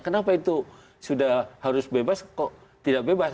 kenapa itu sudah harus bebas kok tidak bebas